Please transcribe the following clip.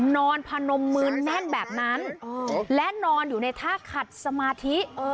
นอนพนมมือแน่นแบบนั้นและนอนอยู่ในท่าขัดสมาธิ